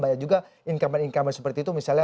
banyak juga income income seperti itu